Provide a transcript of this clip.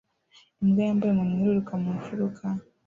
Imbwa yambaye umunwa iriruka mu mfuruka